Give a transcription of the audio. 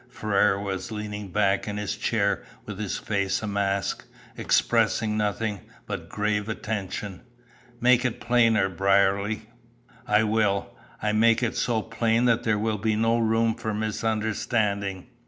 Ferrars was leaning back in his chair with his face a mask, expressing nothing but grave attention. "Make it plainer, Brierly." "I will. I'll make it so plain that there will be no room for misunderstanding.